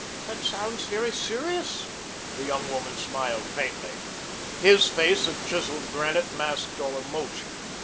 "That sounds very serious." The young woman smiled faintly. His face of chiseled granite masked all emotion.